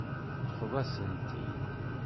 Teṭṭfeḍ-as-tent-id.